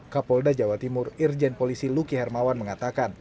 ke polda jawa timur irjen polisi luki hermawan mengatakan